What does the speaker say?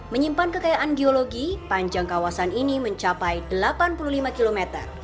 menyimpan kekayaan geologi panjang kawasan ini mencapai delapan puluh lima km